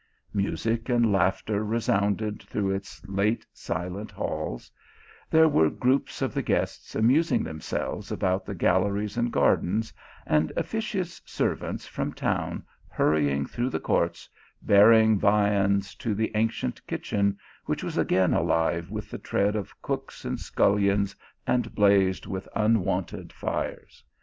Music and laugh ter resounded through its late silent halls; there were groups of the guests amusing themselves about the galleries and gardens, and officious servants from town hurrying through the courts, bearing viands to the ancient kitchen, which was again alive with the tread of cooks and scullions, and blazed with un wonted fires.